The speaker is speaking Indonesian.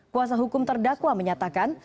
kuasa hukum terdakwa menyatakan